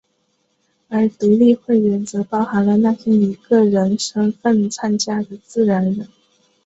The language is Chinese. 而独立会员则包含了那些以个人身份参加的自然人。